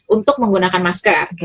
untuk menggunakan masker